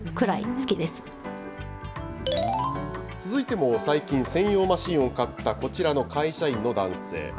続いても、最近、専用マシンを買ったこちらの会社員の男性。